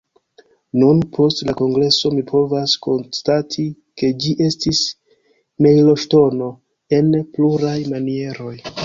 Nun, post la kongreso, mi povas konstati ke ĝi estis mejloŝtono en pluraj manieroj.